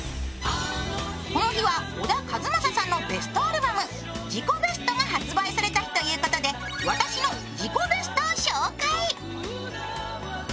この日は小田和正さんのベストアルバム「自己ベスト」が発売された日ということで私の自己ベストを紹介。